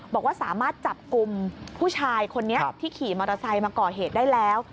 บอกว่าสามารถจับกลุ่มผู้ชายคนนี้ที่ขี่มอเตอร์ไซค์มาก่อเหตุได้แล้ว